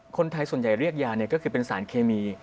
คนไทยส่วนใหญ่เรียกยาก็คือเป็นสารเคมี